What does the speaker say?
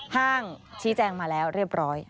ห้างชี้แจงมาแล้วเรียบร้อย